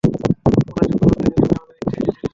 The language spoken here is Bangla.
মনে হচ্ছে, গোলাম ভেবে তুমি আমাকে নির্দেশ দিতে এসেছ।